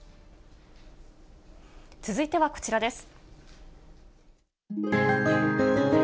続いてはこちらです。